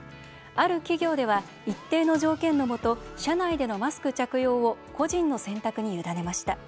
ある企業では、一定の条件の下社内でのマスク着用を個人の選択に委ねました。